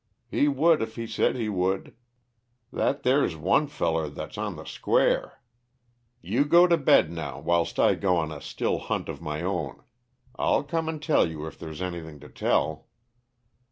He would if he said he would; that there's one feller that's on the square. You go to bed now, whilst I go on a still hunt of my own. I'll come and tell you if there's anything to tell."